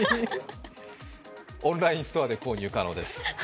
オンラインストアで購入可能です。